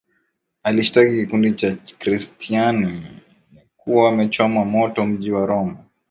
alishtaki kikundi cha Chrestiani ya kuwa wamechoma moto mji wa Roma